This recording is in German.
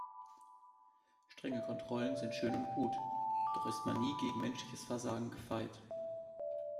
Strenge Kontrollen sind schön und gut, doch ist man nie gegen menschliches Versagen gefeit.